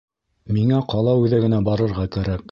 Миңә ҡала үҙәгенә барырға кәрәк